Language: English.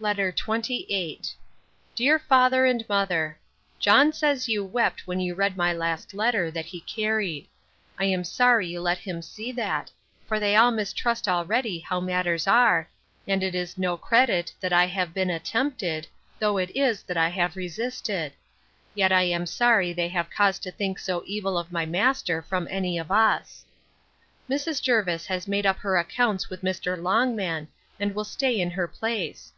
LETTER XXVIII DEAR FATHER AND MOTHER, John says you wept when you read my last letter, that he carried. I am sorry you let him see that; for they all mistrust already how matters are, and as it is no credit that I have been attempted, though it is that I have resisted; yet I am sorry they have cause to think so evil of my master from any of us. Mrs. Jervis has made up her accounts with Mr. Longman, and will stay in her place.